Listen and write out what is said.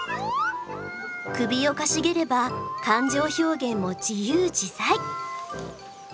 首をかしげれば感情表現も自由自在！